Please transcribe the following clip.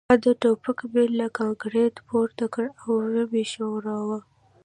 ما د ټوپک میل له کانکریټ پورته کړ او ومې ښوراوه